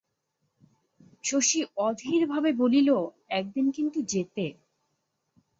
শশী অধীরভাবে বলিল, একদিন কিন্তু যেতে।